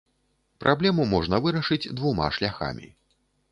Праблему можна вырашыць двума шляхамі.